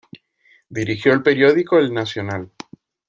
Dirigió el periódico El Nacional.